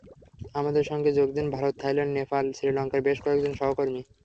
আমাদের সঙ্গে যোগ দেন ভারত, থাইল্যান্ড, নেপাল, শ্রীলঙ্কার বেশ কয়েকজন সহকর্মী।